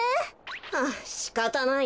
はぁしかたないな。